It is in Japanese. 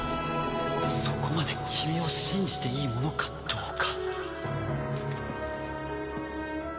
そこまで君を信じていいものかどうか。